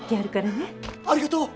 ありがとう！